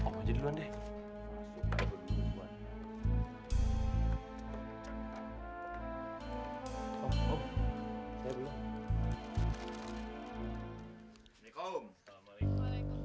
hai om saya belum